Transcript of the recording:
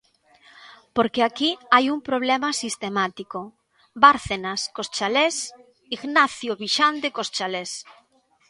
Porque aquí hai un problema sistemático: ¡Bárcenas cos chalés!, ¡Ignacio Vixande cos chalés!